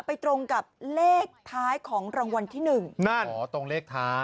ตรงกับเลขท้ายของรางวัลที่หนึ่งนั่นอ๋อตรงเลขท้าย